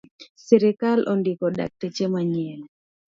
Sirkal ondiko dakteche manyien